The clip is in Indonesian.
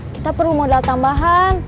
kita perlu modal tambahan